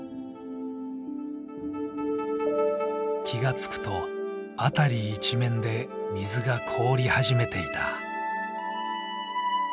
気が付くと辺り一面で水が凍り始めていた。